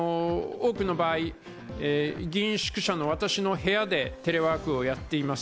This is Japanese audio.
多くの場合、議員宿舎の私の部屋でテレワークをやっています。